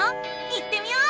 行ってみよう！